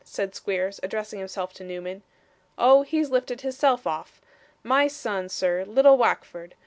said Squeers, addressing himself to Newman. 'Oh, he's lifted his self off. My son, sir, little Wackford.